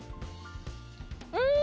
うん！